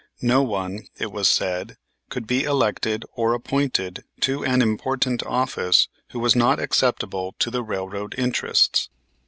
No one, it was said, could be elected or appointed to an important office who was not acceptable to the railroad interests.